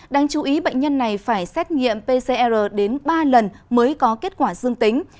đáng chú ý bệnh nhân này phải xét nghiệm pcr đến ba lần mới có kết quả dương tính